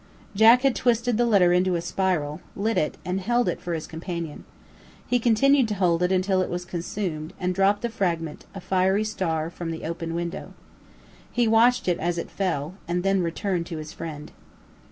Jack had twisted the letter into a spiral, lit it, and held it for his companion. He continued to hold it until it was consumed, and dropped the fragment a fiery star from the open window. He watched it as it fell, and then returned to his friend.